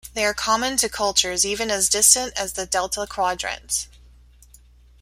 They are common to cultures even as distant as the Delta Quadrant.